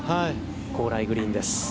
高麗グリーンです。